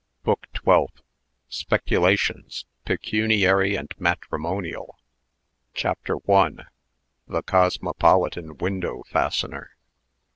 ] BOOK TWELFTH, SPECULATIONS PECUNIARY AND MATRIMONIAL. CHAPTER I. THE "COSMOPOLITAN WINDOW FASTENER."